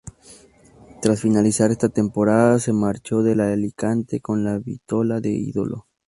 Tras finalizar esa temporada, se marchó del Alicante con la vitola de ídolo.